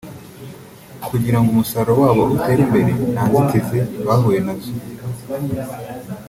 kugirango umusaruro wabo utere imbere nta nzitizi bahuye nazo